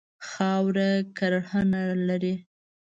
خاوره کرهڼه لري.